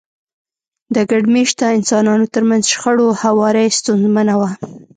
د ګډ مېشته انسانانو ترمنځ شخړو هواری ستونزمنه وه.